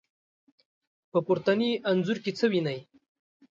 په پورتني انځور کې څه وينئ؟